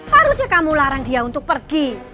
harusnya kamu larang dia untuk pergi